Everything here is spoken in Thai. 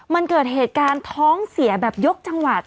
มันเกิดเหตุการณ์ท้องเสียแบบยกจังหวัด